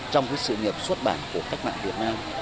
trong sự nghiệp xuất bản của cách mạng việt nam